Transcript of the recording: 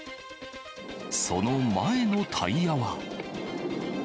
その前のタイヤは。